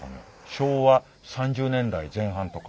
昭和３０年代前半とか。